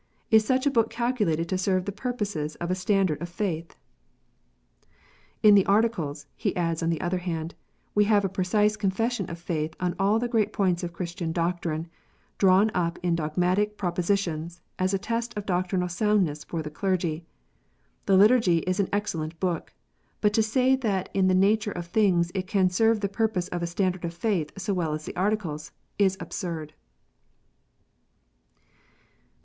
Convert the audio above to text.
Is such a book calculated to serve the purposes of a standard of faith?" "In the Articles," he adds, on the other hand, "we have a precise Confession of faith on all the great points of Christian doctrine, drawn up in dogmatic propositions, as a test of doctrinal soundness for the clergy." The Liturgy is an excellent book. But to say that in the nature of things it can serve the purpose of a standard of faith so well as the Articles, is absurd.